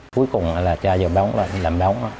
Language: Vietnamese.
cuối cùng là cho vào bóng làm bóng